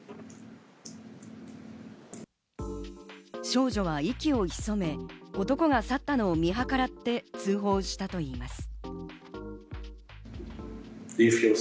少女は息を潜め、男が去ったのを見計らって通報したといいます。